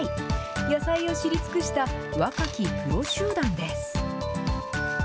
野菜を知り尽くした若きプロ集団です。